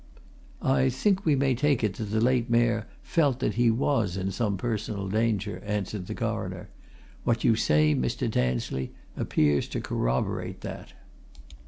"I think we may take it that the late Mayor felt that he was in some personal danger," answered the Coroner. "What you say, Mr. Tansley, appears to corroborate that."